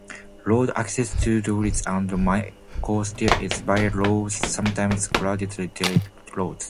Road access to Dolisie and Mayoko still is via rough, sometimes graded dirt roads.